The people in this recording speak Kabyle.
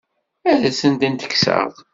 Ad asen-tent-kkseɣ?